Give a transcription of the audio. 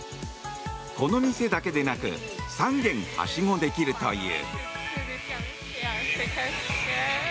この店だけでなく３軒はしごできるという。